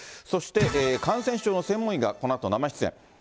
そして感染症の専門医が、このあと生出演。